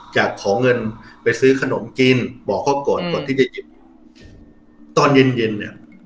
อยากขอเงินไปซื้อขนมกินบอกเขาก่อนก่อนที่จะหยิบตอนเย็นเย็นเนี่ย